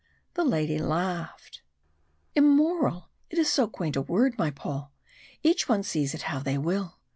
The lady laughed. "Immoral! It is so quaint a word, my Paul! Each one sees it how they will.